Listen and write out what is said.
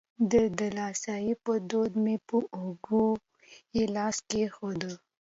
د دلاسایي په دود مې پر اوږه یې لاس کېښود.